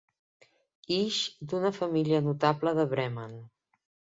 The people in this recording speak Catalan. Ix d'una família notable de Bremen.